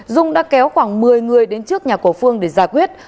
dung đã kéo khoảng một mươi người đến trước nhà của phương để giải quyết